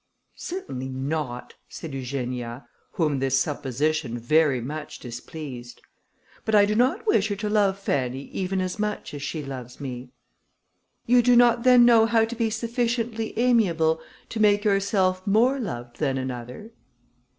"Certainly not," said Eugenia, whom this supposition very much displeased. "But I do not wish her to love Fanny even as much as she loves me." "You do not then know how to be sufficiently amiable to make yourself more loved than another?"